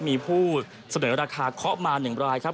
มีผู้เสนอราคาเคาะมา๑รายครับ